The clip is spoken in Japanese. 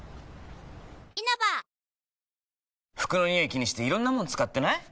気にしていろんなもの使ってない？